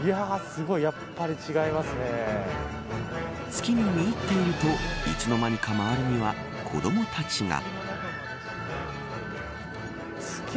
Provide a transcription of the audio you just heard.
月に見入っているといつの間にか周りには子どもたちが。